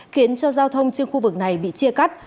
khiến cho giao thông trên khu vực này bị chia cắt